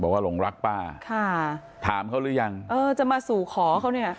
บอกว่าหลงรักป้าถามเขารึยังเอ่อจะมาสู่ขอเขาเนี้ย